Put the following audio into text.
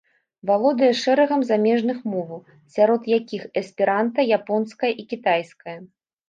Валодае шэрагам замежных моваў, сярод якіх эсперанта, японская і кітайская.